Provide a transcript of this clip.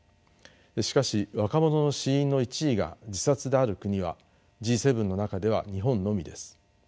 しかし若者の死因の１位が自殺である国はＧ７の中では日本のみです。